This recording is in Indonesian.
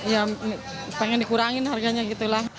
ya pengen dikurangin harganya gitu lah